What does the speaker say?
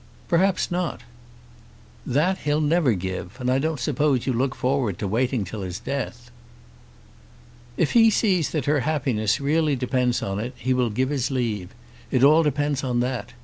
"Perhaps not." "That he'll never give, and I don't suppose you look forward to waiting till his death." "If he sees that her happiness really depends on it he will give his leave. It all depends on that.